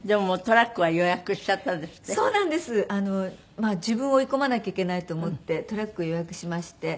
まあ自分を追い込まなきゃいけないと思ってトラックを予約しまして。